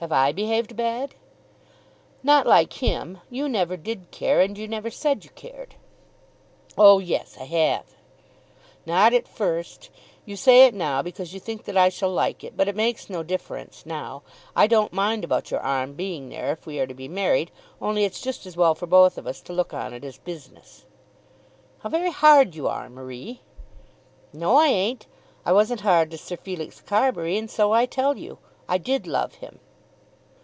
"Have I behaved bad?" "Not like him. You never did care, and you never said you cared." "Oh yes, I have." "Not at first. You say it now because you think that I shall like it. But it makes no difference now. I don't mind about your arm being there if we are to be married, only it's just as well for both of us to look on it as business." "How very hard you are, Marie." "No, I ain't. I wasn't hard to Sir Felix Carbury, and so I tell you. I did love him."